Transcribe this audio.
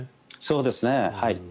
そうですね。